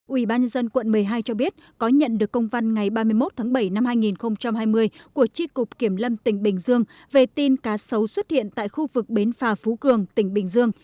ủy ban nhân dân quận một mươi hai cho biết có nhận được công văn ngày ba mươi một tháng bảy năm hai nghìn hai mươi của tri cục kiểm lâm tỉnh bình dương về tin cá sấu xuất hiện tại khu vực bến phà phú cường tỉnh bình dương